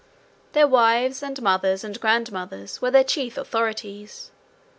Their wives and mothers and grandmothers were their chief authorities.